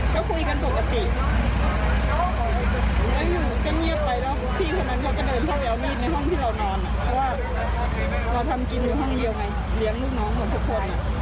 บอกว่าพี่นั่นเลือกออก